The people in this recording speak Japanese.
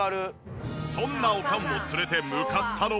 そんなおかんを連れて向かったのは。